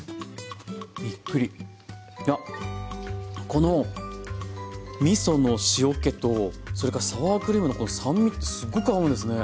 このみその塩けとそれからサワークリームのこの酸味ってすっごく合うんですね。